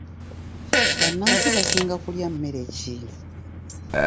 Bannansi basinga kulya mmere ki?